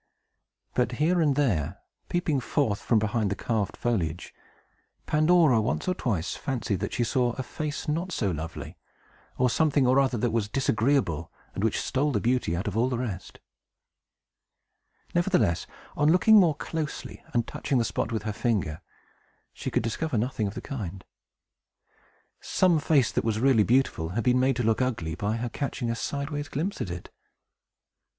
But here and there, peeping forth from behind the carved foliage, Pandora once or twice fancied that she saw a face not so lovely, or something or other that was disagreeable, and which stole the beauty out of all the rest. Nevertheless, on looking more closely, and touching the spot with her finger, she could discover nothing of the kind. Some face, that was really beautiful, had been made to look ugly by her catching a sideway glimpse at it.